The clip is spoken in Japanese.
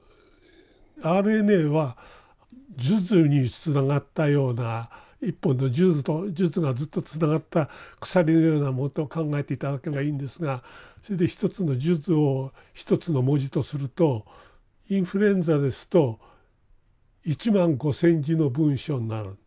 ＲＮＡは数珠につながったような１本の数珠がずっとつながった鎖のようなものと考えて頂けばいいんですがそれで１つの数珠を１つの文字とするとインフルエンザですと１５，０００の文章になる。